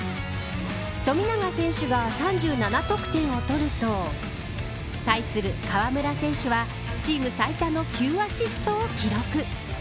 富永選手が３７得点を取ると対する河村選手はチーム最多の９アシストを記録。